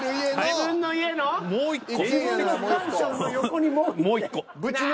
自分のマンションの横にもう一軒。